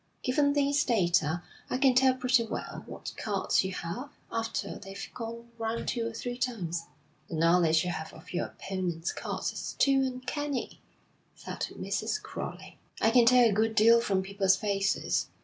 Given these data, I can tell pretty well what cards you have, after they've gone round two or three times.' 'The knowledge you have of your opponents' cards is too uncanny,' said Mrs. Crowley. 'I can tell a good deal from people's faces.